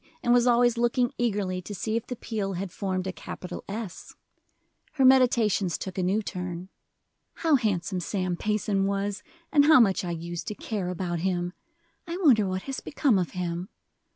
and was always looking eagerly to see if the peel had formed a capital S. Her meditations took a new turn. "How handsome Sam Payson was, and how much I use to care about him! I wonder what has become of him!